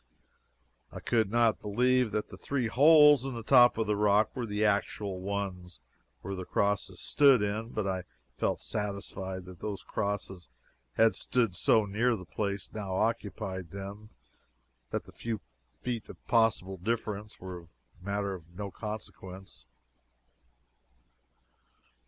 I could not believe that the three holes in the top of the rock were the actual ones the crosses stood in, but I felt satisfied that those crosses had stood so near the place now occupied by them, that the few feet of possible difference were a matter of no consequence.